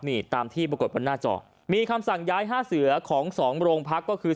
นี่ตามที่ปรากฏบนหน้าจอมีคำสั่งย้ายห้าเสือของสองโรงพักก็คือ